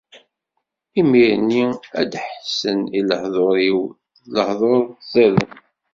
Imir-nni ad d-ḥessen i lehdur-iw: d lehdur ẓiden!